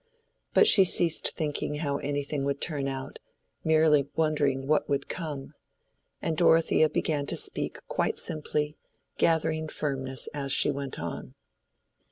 But she ceased thinking how anything would turn out—merely wondering what would come. And Dorothea began to speak quite simply, gathering firmness as she went on.